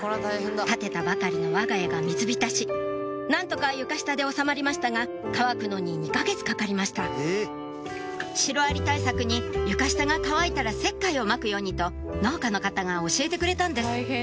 建てたばかりのわが家が水浸し何とか床下でおさまりましたが乾くのに２か月かかりましたシロアリ対策に床下が乾いたら石灰をまくようにと農家の方が教えてくれたんです